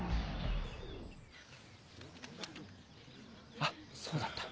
あっそうだった。